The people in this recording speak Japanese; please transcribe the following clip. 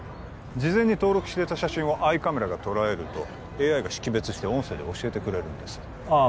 事前に登録していた写真をアイカメラが捉えるとＡＩが識別して音声で教えてくれるんですああ